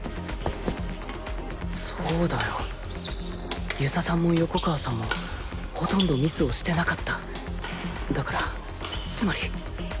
そうだよ遊佐さんも横川さんもほとんどミスをしてなかっただからつまり５−０。